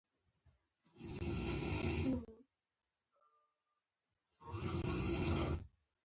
آیا د فولادو صنعت په ایران کې لوی نه دی؟